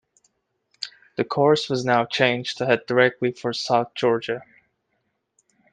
The course was now changed to head directly for South Georgia.